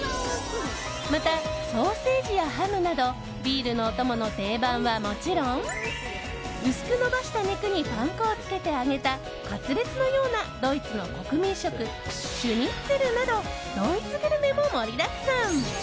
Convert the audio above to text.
また、ソーセージやハムなどビールのお供の定番はもちろん薄く伸ばした肉にパン粉をつけて揚げたカツレツのようなドイツの国民食シュニッツェルなどドイツグルメも盛りだくさん。